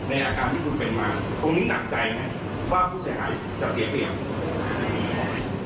อาการที่คุณเป็นมาตรงนี้หนักใจไหมว่าผู้เสียหายจะเสียเปรียบ